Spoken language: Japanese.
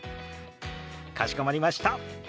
かしこまりました。